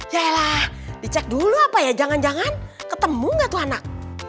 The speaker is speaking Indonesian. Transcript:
yalah dicek dulu apa ya jangan jangan ketemu gak tuh anak